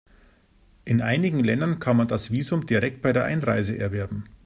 In einigen Ländern kann man das Visum direkt bei der Einreise erwerben.